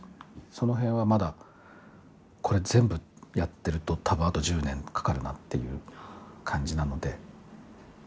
その辺はまだこれ全部やってるとたぶんあと１０年かかるなっていう感じなので。